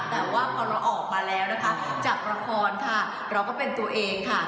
แต่ว่าพอเราออกมาแล้วนะคะจากละครค่ะเราก็เป็นตัวเองค่ะ